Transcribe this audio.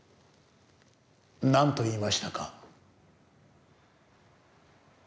何と言いましたか？